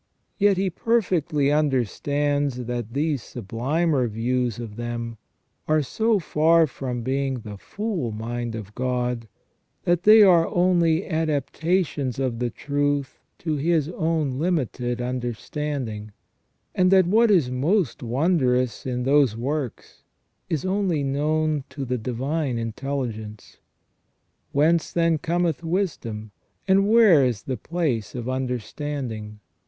Yet he perfectly understands that these sublimer views of them are so far from being the full mind of God, that they are only adaptations of the truth to his own limited understanding, and that what is most wondrous in those works is only known to the divine intelligence. *' Whence then cometh wisdom ? And where is the place of under standing